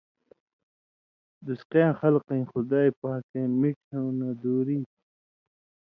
دُوسقیاں خلکَیں (خدائ پاکَیں مِٹھیُوں نہ) دُوری تھی۔